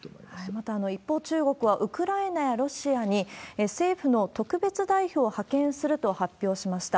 また、一方、中国はウクライナやロシアに、政府の特別代表を派遣すると発表しました。